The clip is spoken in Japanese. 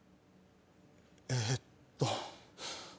えっと。